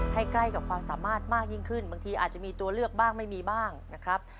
ใกล้กับความสามารถมากยิ่งขึ้นบางทีอาจจะมีตัวเลือกบ้างไม่มีบ้างนะครับ